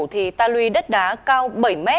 thì ta luy đất đá cao bảy m